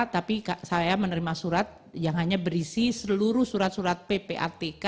tapi saya menerima surat yang hanya berisi seluruh surat surat ppatk